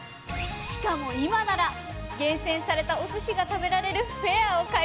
しかも今なら厳選されたお寿司が食べられるフェアを開催中よ！